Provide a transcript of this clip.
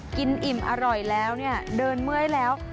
อิ่มอร่อยแล้วเนี่ยเดินเมื่อยแล้ว